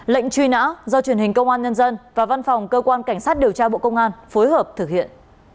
lệnh truy nã do truyền hình công an nhân dân và văn phòng cơ quan cảnh sát điều tra bộ công an phối hợp thực hiện